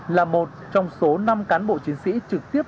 là một trong số năm cán bộ chiến sĩ trực tiếp